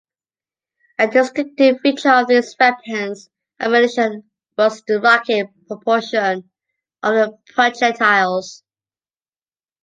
A distinctive feature of these weapons and ammunition was the rocket propulsion of the projectiles.